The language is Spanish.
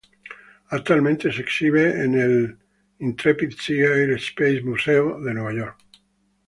Actualmente se exhibe en Intrepid Sea-Air-Space Museum de Nueva York.